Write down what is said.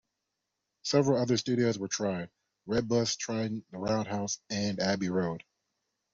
Several other studios were tried: Red Bus, Trident, The Roundhouse and Abbey Road.